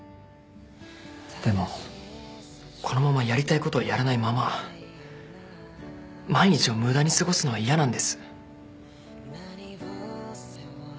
でもこのままやりたいことをやらないまま毎日を無駄に過ごすのは嫌なんです。